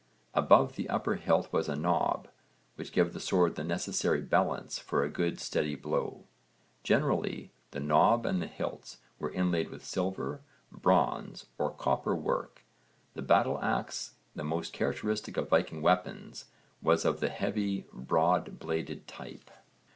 Above the upper hilt was a knob, which gave the sword the necessary balance for a good steady blow. Generally the knob and the hilts were inlaid with silver, bronze, or copper work. The battle axe, the most characteristic of Viking weapons, was of the heavy broad bladed type.